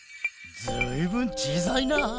ずいぶんちいさいな。